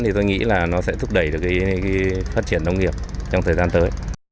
thì tôi nghĩ là nó sẽ thúc đẩy được phát triển nông nghiệp trong thời gian tới